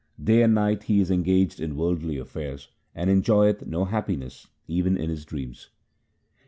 Day and night he is engaged in worldly affairs, and enjoyeth no happiness even in his dreams.